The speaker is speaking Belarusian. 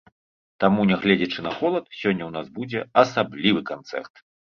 Таму, нягледзячы на холад, сёння ў нас будзе асаблівы канцэрт!